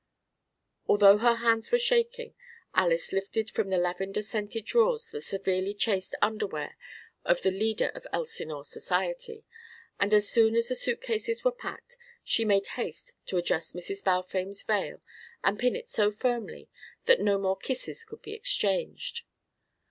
Although her hands were shaking Alys lifted from the lavender scented drawers the severely chaste underwear of the leader of Elsinore society, and as soon as the suitcases were packed, she made haste to adjust Mrs. Balfame's veil and pin it so firmly that no more kisses could be exchanged.